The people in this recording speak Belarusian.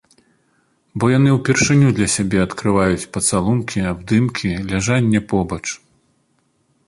Бо яны ўпершыню для сябе адкрываюць пацалункі, абдымкі, ляжанне побач.